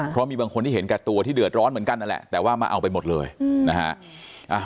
เพราะมีบางคนที่เห็นแก่ตัวที่เดือดร้อนเหมือนกันนั่นแหละแต่ว่ามาเอาไปหมดเลยนะฮะ